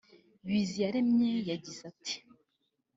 Biziyaremye yagize ati